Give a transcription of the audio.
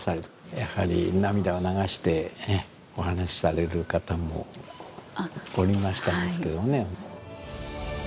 やはり涙を流してお話しされる方もおりましたですけどね。